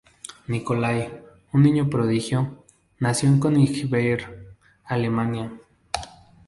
Nicolai, un niño prodigio, nació en Königsberg, Alemania.